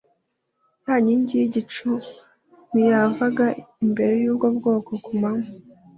ya nkingi y'igicu ntiyavaga imbere y'ubwo bwoko ku manywa